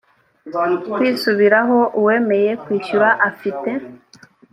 kwisubiraho uwemeye kwishyura afite